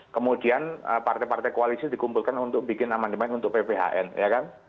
kemudian partai partai koalisi digumpulkan untuk bikin aman aman untuk pphn ya kan